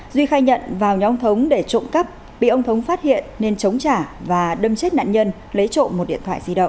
duy khai nhận vào nhóm ông thống để trộm cắp bị ông thống phát hiện nên chống trả và đâm chết nạn nhân lấy trộm một điện thoại di động